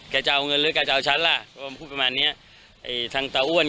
จะเอาเงินหรือแกจะเอาฉันล่ะก็พูดประมาณเนี้ยไอ้ทางตาอ้วน